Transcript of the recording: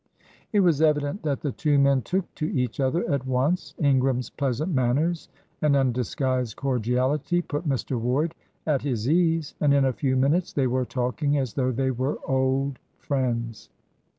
'" It was evident that the two men took to each other at once. Ingram's pleasant manners and undisguised cordiality put Mr. Ward at his ease, and in a few minutes they were talking as though they were old friends.